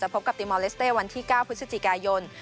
พบกับติมอลเลสเต้วันที่๙พฤศจิกายน